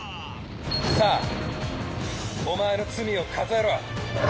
さあお前の罪を数えろ。